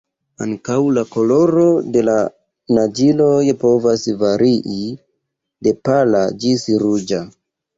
Ankaŭ la koloro de la naĝiloj povas varii, de pala ĝis ruĝa.